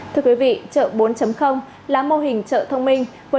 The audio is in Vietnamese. thưa quý vị chợ bốn là mô hình chợ thông minh